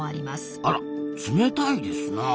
あら冷たいですなあ。